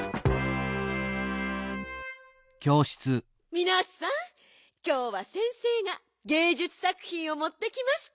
みなさんきょうは先生がげいじゅつさくひんをもってきました。